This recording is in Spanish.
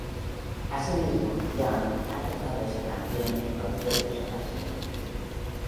Asimismo, Young ha tocado esa canción en conciertos ocasionales.